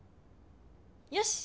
よし！